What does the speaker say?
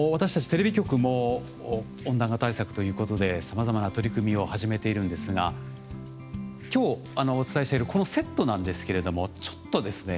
テレビ局も温暖化対策ということでさまざまな取り組みを始めているんですが今日お伝えしているこのセットなんですけれどもちょっとですね